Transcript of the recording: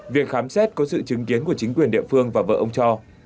việc khám xét có sự chứng kiến của chính quyền địa phương và vợ ông cho